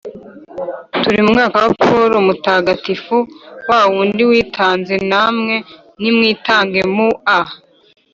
turi mu mwaka wa paul mutagatifu, wa wundi witanze. namwe nimwitange mu a